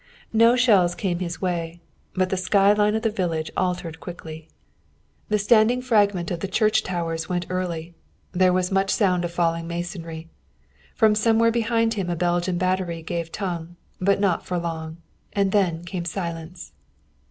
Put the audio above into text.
No shells came his way, but the sky line of the village altered quickly. The standing fragment of the church towers went early. There was much sound of falling masonry. From somewhere behind him a Belgian battery gave tongue, but not for long. And then came silence.